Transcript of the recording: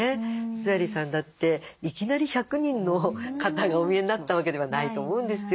須鑓さんだっていきなり１００人の方がお見えになったわけではないと思うんですよ。